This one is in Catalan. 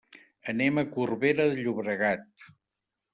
Anem a Corbera de Llobregat.